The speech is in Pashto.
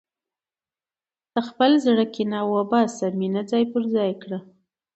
د خپل زړه کینه وباسه، مینه ځای پر ځای کړه.